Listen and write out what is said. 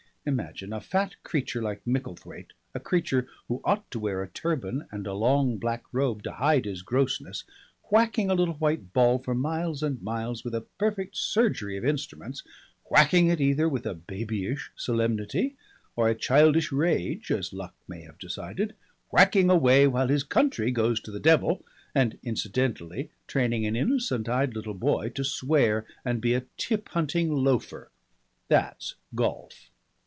Imagine a great fat creature like Micklethwaite, a creature who ought to wear a turban and a long black robe to hide his grossness, whacking a little white ball for miles and miles with a perfect surgery of instruments, whacking it either with a babyish solemnity or a childish rage as luck may have decided, whacking away while his country goes to the devil, and incidentally training an innocent eyed little boy to swear and be a tip hunting loafer. That's golf!